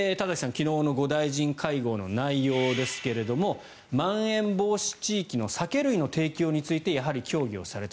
昨日の５大臣会合の内容ですがまん延防止の酒類の提供についてやはり協議をされた。